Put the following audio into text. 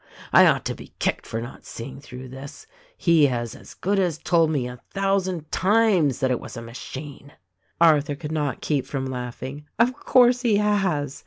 I ought to be kicked for not seeing through this. He has as good as told me, a thou sand times, that it was a machine." Arthur could not keep from laughing. "Of course he has!